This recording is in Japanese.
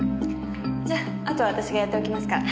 じゃあとは私がやっておきますから。